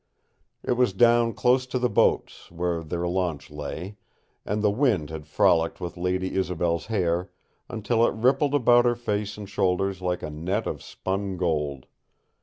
It was down close to the boats, where their launch lay, and the wind had frolicked with Lady Isobel's hair until it rippled about her face and shoulders like a net of spun gold.